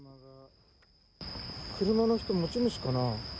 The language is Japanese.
車の人、持ち主かな。